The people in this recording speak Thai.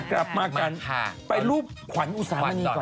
กลับมากันไปรูปขวัญอุสามณีก่อน